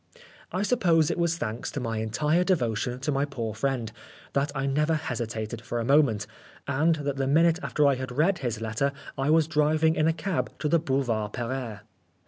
I suppose it was thanks to 135 Oscar Wilde my entire devotion to my poor friend, that I never . hesitated for a moment, and that the minute after I had read his letter I was driving in a cab to the Boulevard Pereire.